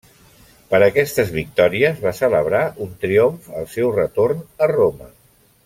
Per aquestes victòries va celebrar un triomf al seu retorn a Roma.